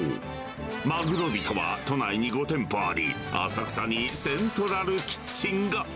まぐろ人は都内に５店舗あり、浅草にセントラルキッチンが。